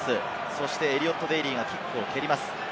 そしてエリオット・デイリーがキックを蹴ります。